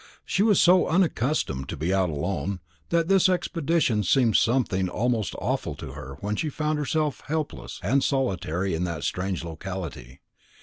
She was so unaccustomed to be out alone, that this expedition seemed something almost awful to her when she found herself helpless and solitary in that strange locality.